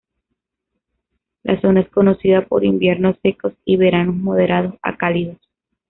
La zona es conocida por inviernos secos y veranos moderados a cálidos.